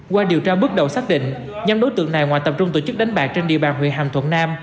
qua điều tra bước đầu xác định nhóm đối tượng này ngoài tập trung tổ chức đánh bạc trên địa bàn huyện hàm thuận nam